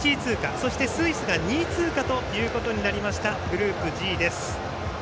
そしてスイスが２位通過となりましたグループＧです。